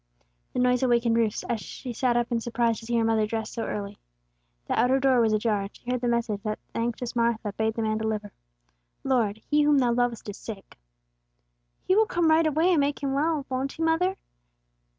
The noise awakened Ruth; she sat up in surprise to see her mother dressed so early. The outer door was ajar, and she heard the message that the anxious Martha bade the man deliver: "Lord, he whom Thou lovest is sick." "He will come right away and make him well, won't He, mother?"